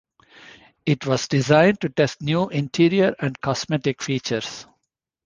It was designed to test new interior and cosmetic features.